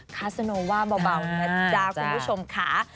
คาซาโนว่าเบาเนี่ยจ้าคุณผู้ชมค่ะ